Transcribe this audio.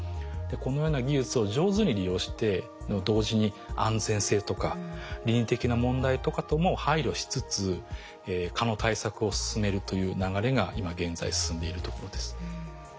このような技術を上手に利用して同時に安全性とか倫理的な問題とかとも配慮しつつ蚊の対策を進めるという流れが今現在進んでいるところです。